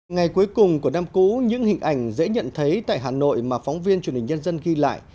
ngày cuối cùng của năm cũ những hình ảnh dễ nhận thấy tại hà nội mà phóng viên truyền hình nhân dân ghi lại